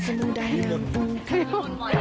วีมนเดือน